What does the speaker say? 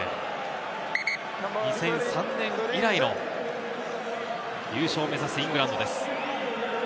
２００３年以来の優勝を目指すイングランドです。